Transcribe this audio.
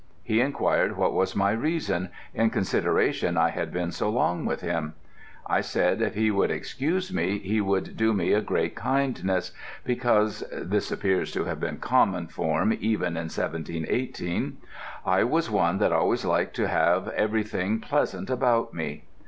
He inquired what was my reason, in consideration I had been so long with him. I said if he would excuse me he would do me a great kindness, because (this appears to have been common form even in 1718) I was one that always liked to have everything pleasant about me.